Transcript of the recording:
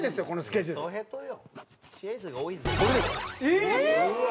えっ！